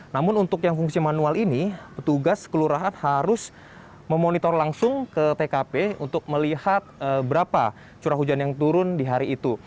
namun untuk yang fungsi manual ini petugas kelurahan harus memonitor langsung ke tkp untuk melihat berapa curah hujan yang turun di hari itu